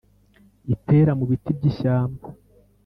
ipera mu biti by’ishyamba,